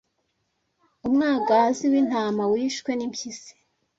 Umwagazi w'intama wishwe n'impyisi.